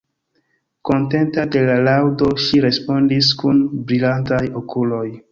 Kontenta de la laŭdo, ŝi respondis kun brilantaj okuloj: